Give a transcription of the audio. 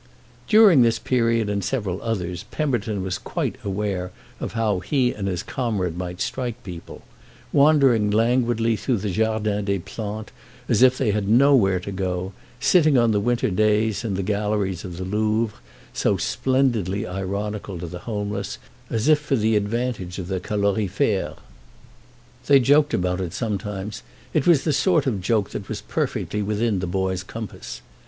During this period and several others Pemberton was quite aware of how he and his comrade might strike people; wandering languidly through the Jardin des Plantes as if they had nowhere to go, sitting on the winter days in the galleries of the Louvre, so splendidly ironical to the homeless, as if for the advantage of the calorifère. They joked about it sometimes: it was the sort of joke that was perfectly within the boy's compass.